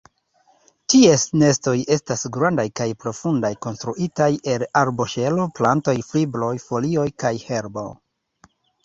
Ties nestoj estas grandaj kaj profundaj, konstruitaj el arboŝelo, plantaj fibroj, folioj kaj herbo.